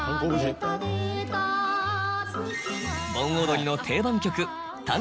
盆踊りの定番曲。